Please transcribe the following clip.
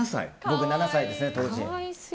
僕７歳です、当時。